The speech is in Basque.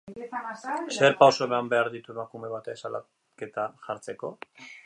Zer pauso eman behar ditu emakume batek salaketa jartzeko?